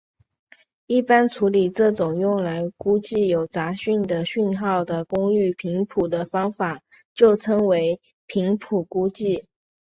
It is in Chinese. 一般处理这种用来估计有杂讯的讯号的功率频谱的方法就称为频谱估计。